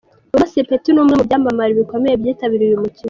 Wema Sepetu ni umwe mu byamamare bikomeye byitabiriye uyu mukino.